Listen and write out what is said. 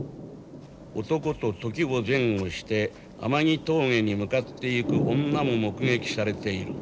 男と時を前後して天城峠に向かっていく女も目撃されている。